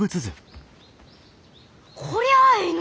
こりゃあえいの！